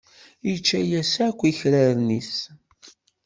Yečča-as akk akraren-is.